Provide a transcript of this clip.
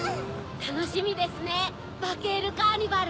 たのしみですねバケールカーニバル。